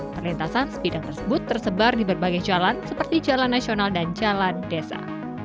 perlintasan sebidang tersebut tersebar di berbagai jalan seperti jalan nasional dan jalan desa